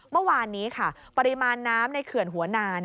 เมื่อวานนี้ค่ะปริมาณน้ำในเขื่อนหัวนา